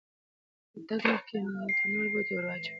له تګه مخکې یې نغري ته نور بوټي ور واچول.